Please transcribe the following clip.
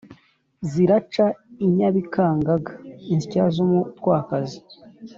ziraca i nyabikangaga: insya z'umutwakazi